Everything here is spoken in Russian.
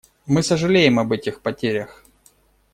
Мы сожалеем об этих потерях.